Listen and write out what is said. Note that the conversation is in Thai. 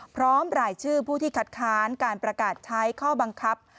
พร้อมรายชื่อผู้ที่คัดค้านการประกาศใช้ข้อบังคับ